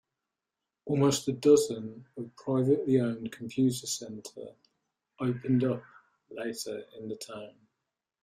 Almost a dozen of privately owned Computer Centre opened up later in the town.